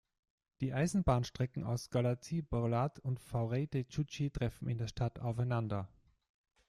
Die Eisenbahnstrecken aus Galați–Bârlad und Făurei–Tecuci treffen in der Stadt aufeinander.